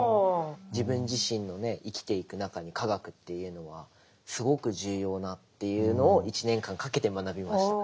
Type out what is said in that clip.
自分自身のね生きていく中に化学というのはすごく重要なっていうのを１年間かけて学びました。